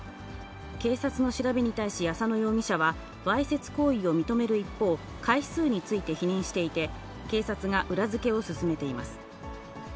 警察の調べに対し、浅野容疑者は、わいせつ行為を認める一方、回数について否認していて、警察が裏付けを進めています。